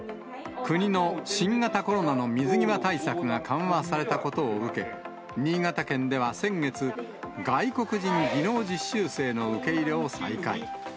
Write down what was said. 国の新型コロナの水際対策が緩和されたことを受け、新潟県では先月、外国人技能実習生の受け入れを再開。